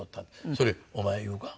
それお前言うか？